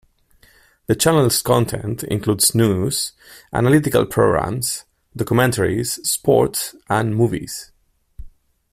The channel's content includes news, analytical programs, documentaries, sport and movies.